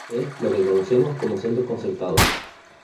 Es lo que conocemos como centros concertados.